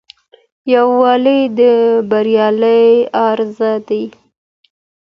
يووالی د بريا راز دی.